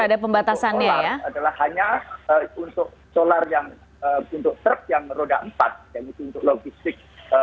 ada pembatasannya ya adalah hanya untuk solar yang untuk yang meroda empat yang untuk logistik